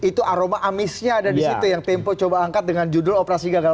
itu aroma amisnya ada di situ yang tempo coba angkat dengan judul operasi gagal